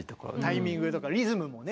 タイミングとかリズムもね